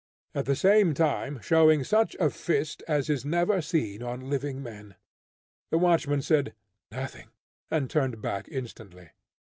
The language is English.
at the same time showing such a fist as is never seen on living men. The watchman said, "Nothing," and turned back instantly.